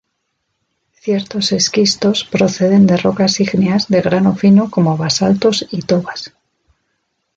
Ciertos esquistos proceden de rocas ígneas de grano fino como basaltos y tobas.